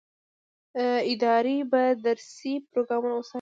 ادارې به درسي پروګرامونه وڅاري.